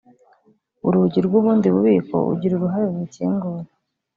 urugi rw’ubundi bubiko ugira uruhare rurukingura